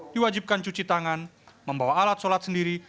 diwajibkan cuci tangan membawa alat sholat sendiri